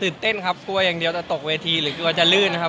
เต้นครับกลัวอย่างเดียวจะตกเวทีหรือกลัวจะลื่นนะครับ